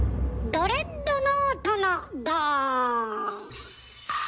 ドレッドノート？